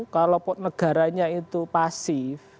kalau negaranya itu pasif